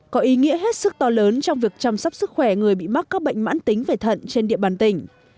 có ý nghĩa hết sức to lớn trong việc chăm sóc sức khỏe người bị mắc các bệnh mãn tính về thận trên địa bàn tỉnh